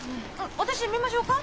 私見ましょうか？